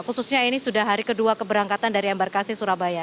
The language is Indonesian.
khususnya ini sudah hari kedua keberangkatan dari embarkasi surabaya